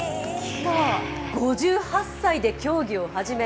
５８歳で競技を始め